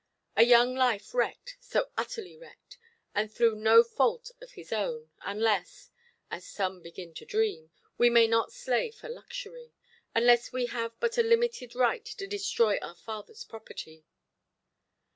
A young life wrecked, so utterly wrecked, and through no fault of its own; unless (as some begin to dream) we may not slay for luxury; unless we have but a limited right to destroy our Fatherʼs property.